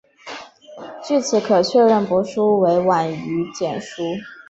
据此可确认帛书是晚于简书。